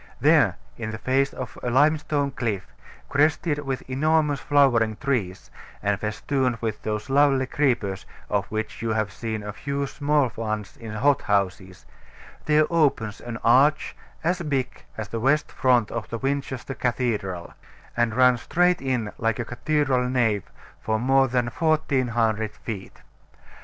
There, in the face of a limestone cliff, crested with enormous flowering trees, and festooned with those lovely creepers of which you have seen a few small ones in hothouses, there opens an arch as big as the west front of Winchester Cathedral, and runs straight in like a cathedral nave for more than 1400 feet.